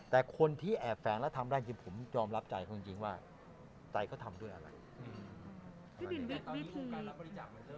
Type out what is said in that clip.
แต่คนที่แอบแฝงแล้วทำได้จริงผมยอมรับใจเขาจริงว่าใจเขาทำด้วยอะไร